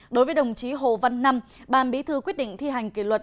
đối với đồng chí hồ văn năm ban bí thư quyết định thi hành kỷ luật